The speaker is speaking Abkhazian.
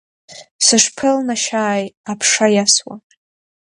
Сышԥеилнашьааи аԥша иасуа!